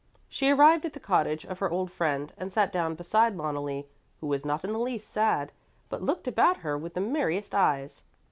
She arrived at the cottage of her old friend and sat down beside Loneli, who was not in the least sad, but looked about her with the merriest eyes.